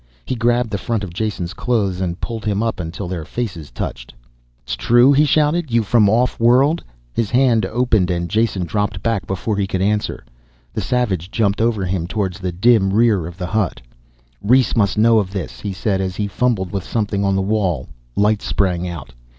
He grabbed the front of Jason's clothes and pulled him up until their faces touched. "S'true?" he shouted. "Y'from off world?" His hand opened and Jason dropped back before he could answer. The savage jumped over him, towards the dim rear of the hut. "Rhes must know of this," he said as he fumbled with something on the wall. Light sprang out.